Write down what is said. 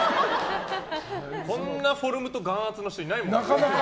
こんなフォルムと眼圧の人いないもんね。